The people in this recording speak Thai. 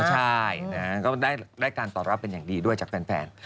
ใช่ก็ได้การตอบรับเป็นอย่างดีด้วยจากแฟน